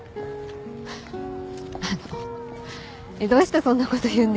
あのうどうしてそんなこと言うんですか？